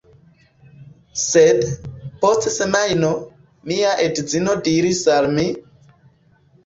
Sed, post semajno, mia edzino diris al mi: